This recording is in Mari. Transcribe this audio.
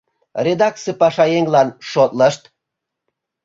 «Редакций пашаеҥлан шотлышт...»